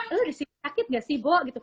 lo disini sakit gak sih bo gitu